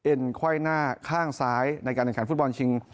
เอ็นไฮน่าข้างซ้ายในการเอกอนฟุตบอลชิง